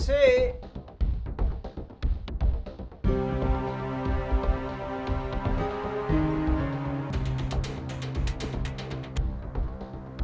masukkan kasanah percopetan